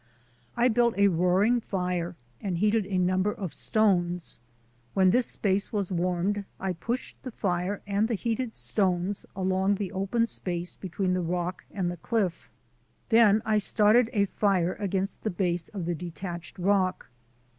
I built a roaring fire and heated a number of stones. When this space was warmed I pushed the fire and the heated stones along the open space between the rock and the cliff. Then I started a fire against the base of the detached rock.